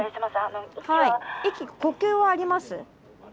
息呼吸はあります？